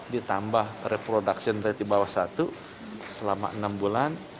ditambah reproduction rate di bawah satu selama enam bulan